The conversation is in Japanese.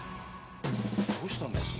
どうしたんだよ？